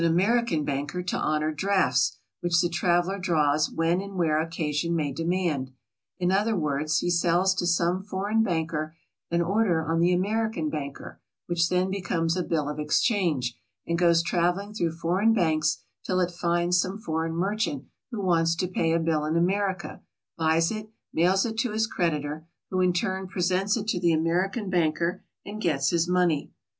185 American banker to honor drafts, which the traveler draws when and where occasion may demand. In other words, he sells to some foreign banker an order on the American banker, which then becomes a bill of exchange, and goes traveling through foreign banks till it finds some foreign merchant who wants to pay a bill in America, buys it, mails it to his creditor, who in turn presents it to the American banker and gets his money.